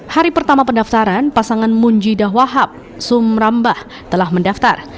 hari pertama pendaftaran pasangan munjidah wahab sumrambah telah mendaftar